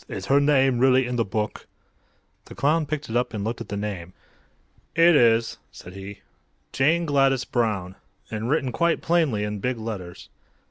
Is her name really in the book?" The clown picked it up and looked at the name. "It is," said he. "'Jane Gladys Brown;' and written quite plainly in big letters."